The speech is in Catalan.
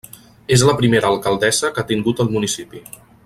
És la primera alcaldessa que ha tingut el municipi.